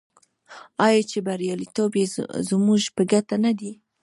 آیا چې بریالیتوب یې زموږ په ګټه نه دی؟